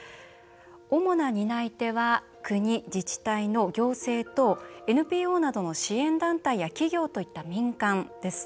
主な担い手は国・自治体の行政とＮＰＯなどの支援団体や企業といった民間です。